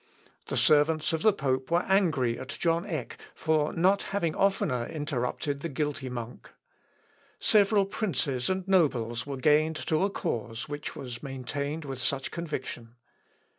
The servants of the pope were angry at John Eck for not having oftener interrupted the guilty monk. Several princes and nobles were gained to a cause which was maintained with such conviction.